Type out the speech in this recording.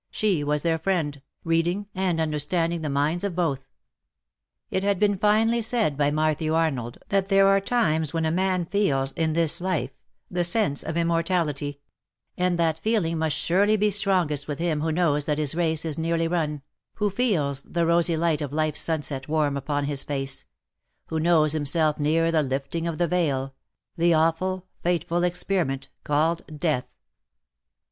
She was their friend, reading and understanding the minds of both. It has been finely said by Matthew Arnold that 236 " BUT IT SUFFICETH, there are times when a man feels, in this life, the sense of immortality ; and that feeling must surely be strongest 'with him who knows that his race is nearly run — who feels the rosy light of life's sunset warm upon his face — who knows himself near the lifting of the veil — the awful, fateful experiment called death.